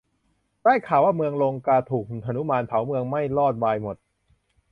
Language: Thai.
ได้ข่าวว่าเมืองลงกาถูกหนุมานเผาเมืองไหม้วอดวายหมด